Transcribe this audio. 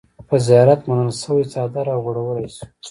په زيارت منلے شوے څادر اوغوړولے شو۔